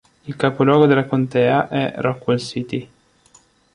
Il capoluogo di contea è Rockwell City.